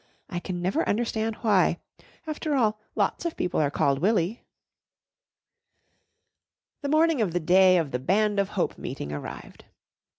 I can never understand why. After all, lots of people are called Willy." The morning of the day of the Band of Hope meeting arrived.